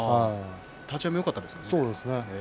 立ち合いはよかったですね。